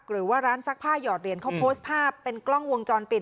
หรือว่าร้านซักผ้าหยอดเหรียญเขาโพสต์ภาพเป็นกล้องวงจรปิด